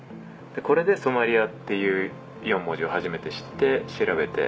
これでソマリアっていう４文字を初めて知って調べて。